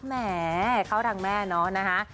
แหมเข้าทางแม่เนาะนะคะ